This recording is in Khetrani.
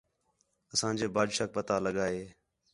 اسانجے بادشاہک پتا لڳا ہِے